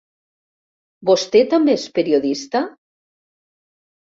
Vostè també és periodista?